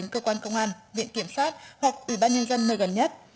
cơ quan công an viện kiểm soát hoặc ủy ban nhân dân nơi gần nhất